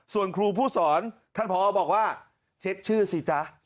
ซ่วนครูผู้สอนทำพอบอกเช็คชื่อสิ